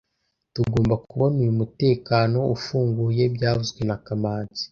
Tugomba kubona uyu mutekano ufunguye byavuzwe na kamanzi